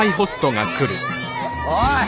おい！